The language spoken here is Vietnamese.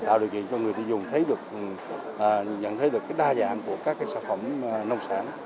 tạo điều kiện cho người tiêu dùng nhận thấy được đa dạng của các sản phẩm nông sản